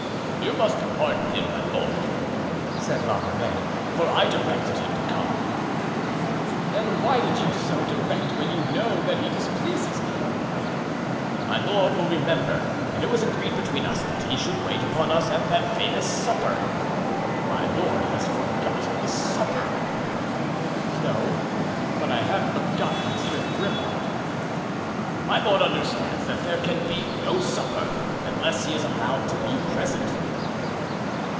"You must pardon him, my lord," said La Ramee, "for I directed him to come." "And why did you so direct when you know that he displeases me?" "My lord will remember that it was agreed between us that he should wait upon us at that famous supper. My lord has forgotten the supper." "No, but I have forgotten Monsieur Grimaud." "My lord understands that there can be no supper unless he is allowed to be present."